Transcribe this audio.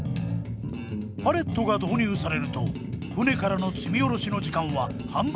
パレットが導入されると船からの積みおろしの時間は半分以下に短縮。